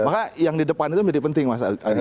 maka yang di depan itu menjadi penting mas